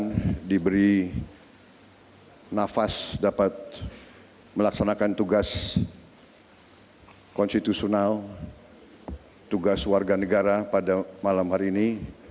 yang diberi nafas dapat melaksanakan tugas konstitusional tugas warga negara pada malam hari ini